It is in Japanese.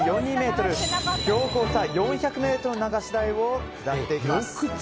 ｍ標高差４００ｍの流し台を下っていきます。